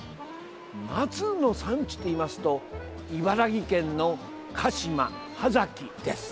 松の産地といいますと茨城県の鹿嶋、波先です。